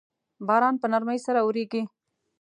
باران په نرمۍ سره اوریږي